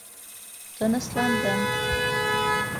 Тынысландым.